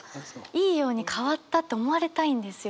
いいように変わったって思われたいんですよねきっと。